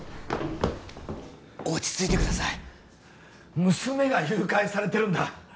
落ち着いてください娘が誘拐されてるんだ